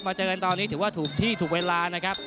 มาเจอกันตอนนี้ถือว่าถูกที่ถูกเวลา